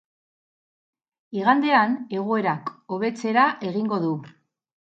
Igandean egoerak hobetzera egingo du.